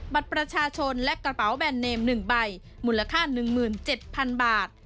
บัตรประชาชนและกระเป๋าแบนเนมหนึ่งใบมูลค่าหนึ่งหมื่นเจ็ดพันบาท